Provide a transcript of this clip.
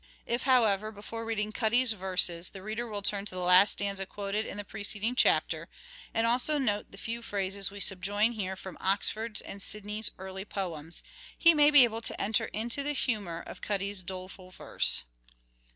If, however, before reading Cuddy's " verses " the reader will turn to the last stanza quoted in the preceding chapter, and also note the few phrases we subjoin here from Oxford's and Sidney's early poems, he may be able to enter into the humour of Cuddy's " doleful verse."